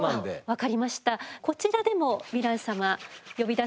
分かりました。